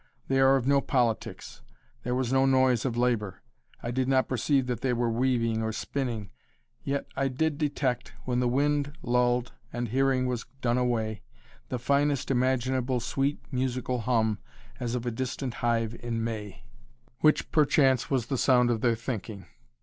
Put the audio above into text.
They are of no politics. There was no noise of labor. I did not perceive that they were weaving or spinning. Yet I did detect, when the wind lulled and hearing was done away, the finest imaginable sweet musical hum as of a distant hive in May, which perchance was the sound of their thinking.